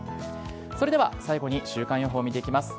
それでは、最後に週間予報を見ていきます。